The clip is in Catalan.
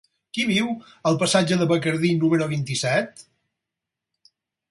Qui viu al passatge de Bacardí número vint-i-set?